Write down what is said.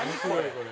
これ。